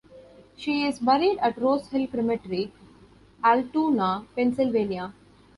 She is buried at Rose Hill Cemetery, Altoona, Pennsylvania.